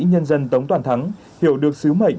nhân dân tống toàn thắng hiểu được sứ mệnh